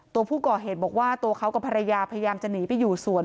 ตัวผู้ก่อเหตุบอกว่าตัวเขากับภรรยาพยายามจะหนีไปอยู่สวน